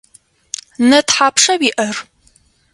Нэ тхьапша уиӏэр?